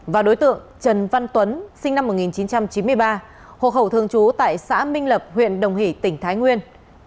và đối tượng trần văn tuấn sinh năm một nghìn chín trăm chín mươi ba hộ khẩu thường trú tại xã minh lập huyện đồng hỷ tỉnh thái nguyên